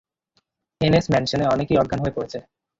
NS ম্যানশনে অনেকেই অজ্ঞান হয়ে পড়েছে।